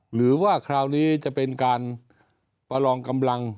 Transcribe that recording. หรือว่าคราวนี้จะเป็นการประลองกำลัง